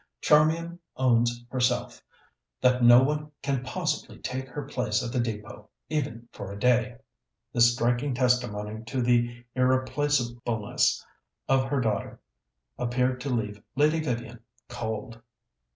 Charmian owns herself that no one can possibly take her place at the Depôt, even for a day." This striking testimony to the irreplacableness of her daughter appeared to leave Lady Vivian cold.